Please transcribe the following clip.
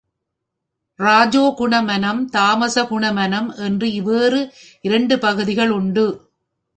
ரஜோ குணமனம், தாமச குணமனம் என்று வேறு இரண்டு பகுதிகள் உண்டு.